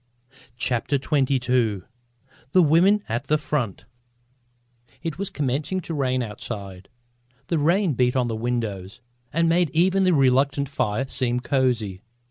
CHAPTER XXII THE WOMEN AT THE FRONT It was commencing to rain outside. The rain beat on the windows and made even the reluctant fire seem cosy.